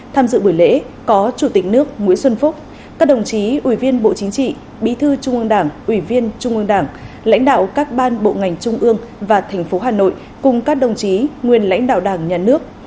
tham dự buổi lễ có chủ tịch nước nguyễn xuân phúc các đồng chí ủy viên bộ chính trị bí thư trung ương đảng ủy viên trung ương đảng lãnh đạo các ban bộ ngành trung ương và thành phố hà nội cùng các đồng chí nguyên lãnh đạo đảng nhà nước